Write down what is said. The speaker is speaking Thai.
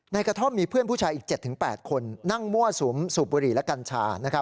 กระท่อมมีเพื่อนผู้ชายอีก๗๘คนนั่งมั่วสุมสูบบุหรี่และกัญชา